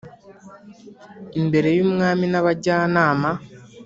imbere y umwami n abajyanama